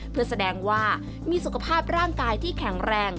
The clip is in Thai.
เพื่อแสดงว่ามีสุขภาพร่างกายที่แข็งแรง